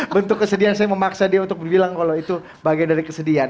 bentuk kesedihan saya memaksa dia untuk berbilang kalau itu bagian dari kesedihan